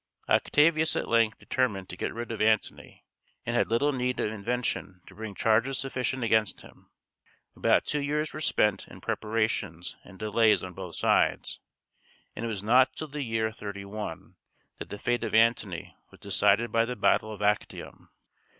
Octavius at length determined to get rid of Antony, and had little need of invention to bring charges sufficient against him. About two years were spent in preparations and delays on both sides, and it was not till the year 31 that the fate of Antony was decided by the battle of Actium.